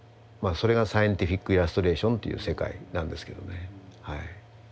それがサイエンティフィックイラストレーションという世界なんですけどね。